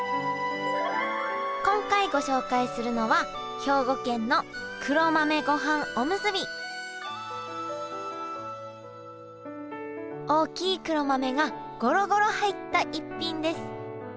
今回ご紹介するのは大きい黒豆がゴロゴロ入った逸品です。